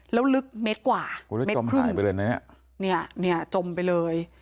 แล้วลึกเมตรกว่าเมตรครึ่งแล้วจมหายไปเลยนะเนี้ยเนี้ยเนี้ยจมไปเลย